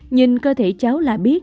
nhìn cơ thể cháu là biết